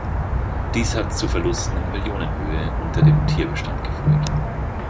Dies hat zu Verlusten in Millionenhöhe unter dem Tierbestand geführt.